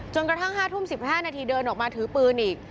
กระทั่ง๕ทุ่ม๑๕นาทีเดินออกมาถือปืนอีก